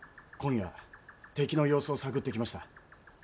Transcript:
今夜敵の様子を探ってきました。